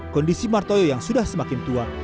kondisi martoyo yang sudah semakin tua